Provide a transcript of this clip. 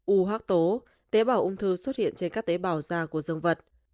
u hác tố tế bào ung thư xuất hiện trên các tế bào da của dương vật